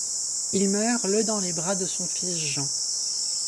Il meurt le dans les bras de son fils Jean.